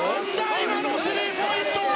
今のスリーポイントは！